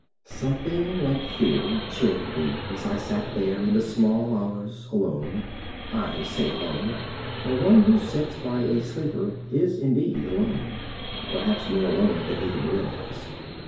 Something like fear chilled me as I sat there in the small hours alone I say alone, for one who sits by a sleeper is indeed alone; perhaps more alone than he can realize.